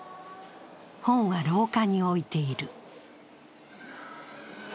本は廊下に置いている。